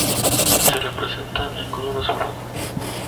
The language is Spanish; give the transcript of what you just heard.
Se representa en color azul.